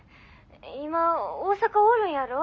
今大阪おるんやろ？